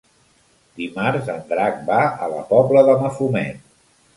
Dimarts en Drac va a la Pobla de Mafumet.